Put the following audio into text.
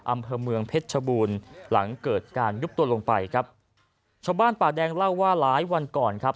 อำเภอเมืองเพชรชบูรณ์หลังเกิดการยุบตัวลงไปครับชาวบ้านป่าแดงเล่าว่าหลายวันก่อนครับ